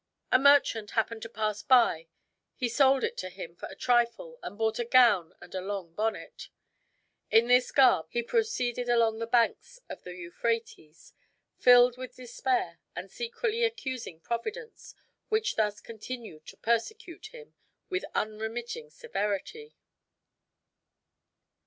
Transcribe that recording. A merchant happening to pass by, he sold it to him for a trifle and bought a gown and a long bonnet. In this garb he proceeded along the banks of the Euphrates, filled with despair, and secretly accusing Providence, which thus continued to persecute him with unremitting severity.